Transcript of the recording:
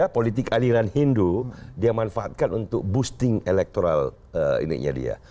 politik aliran hindu dia manfaatkan untuk boosting electoral ini